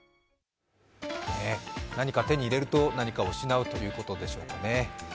何か手に入れると何かを失うと言うことでしょうかね。